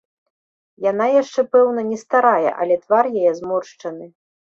Яна яшчэ, пэўна, не старая, але твар яе зморшчаны.